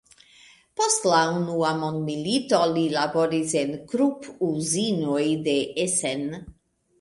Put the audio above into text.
Post la unua mondmilito, li laboris en Krupp-uzinoj de Essen.